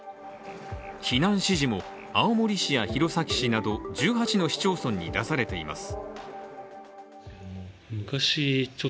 避難指示も青森市や弘前市など１８の市町村に出されています。